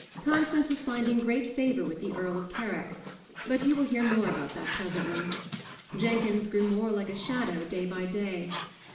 Constance was finding great favour with the Earl of Carrick but you will hear more about that presently. Jenkins grew more like a shadow day by day.